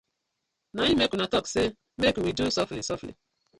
Na im mek we tok say mek we do sofly sofly.